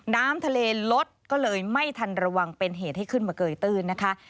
น้ำทะเลลดก็เลยไม่ทันระวังเป็นเหตุให้ขึ้นมาเกยตื้นนะคะ